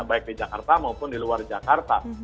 baik di jakarta maupun di luar jakarta